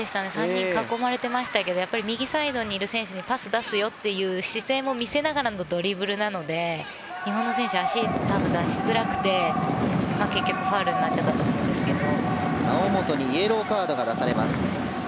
３人囲まれていましたけど右サイドにいる選手にパスを出すよという姿勢を見せながらのドリブルなので日本の選手は足を出しづらくて結局ファウルになっちゃったと猶本にイエローカードが出されました。